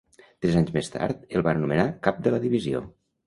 Tres anys més tard, el van anomenar cap de la divisió.